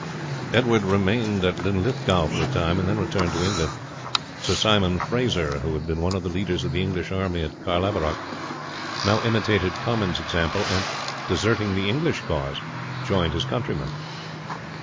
Edward remained at Linlithgow for a time, and then returned to England. Sir Simon Fraser, who had been one of the leaders of the English army at Carlaverock, now imitated Comyn's example, and, deserting the English cause, joined his countrymen.